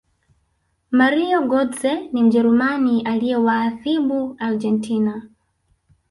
mario gotze ni mjerumani aliyewaathibu argentina